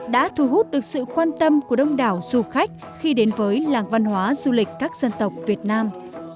đã thu hút được sự quan tâm của đông đảo du khách khi đến với làng văn hóa du lịch các dân tộc việt nam